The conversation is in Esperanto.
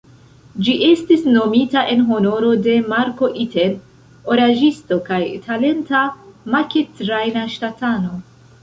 Ĝi estis nomita en honoro de "Marco Iten", oraĵisto kaj talenta makettrajna ŝatanto,